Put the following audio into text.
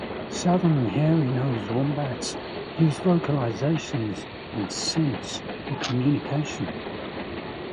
Southern hairy-nosed wombats use vocalisations and scents for communication.